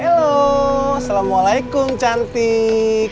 halo assalamualaikum cantik